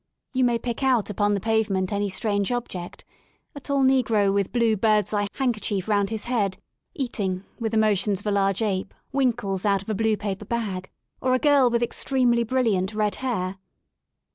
You may pick out upon the pavement any strange object; a tall negro with a blue birds eye handkerchief round his head, eating, with the motions of a large ape, winkles out of a blue paper bag — or a girl with extremely brilliant red hair.